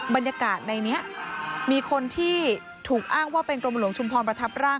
บรรยากาศในนี้มีคนที่ถูกอ้างว่าเป็นกรมหลวงชุมพรประทับร่าง